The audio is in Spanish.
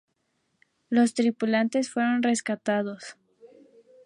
Los tripulantes fueron rescatados.